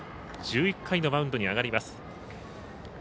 １１回のマウンドに上がります。